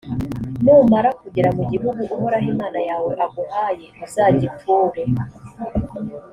numara kugera mu gihugu uhoraho imana yawe aguhaye uzagiture,